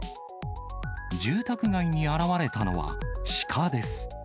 住宅街に現れたのは、シカです。